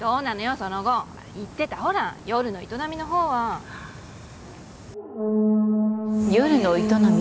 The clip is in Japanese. その後言ってたほら夜の営みのほうは夜の営み？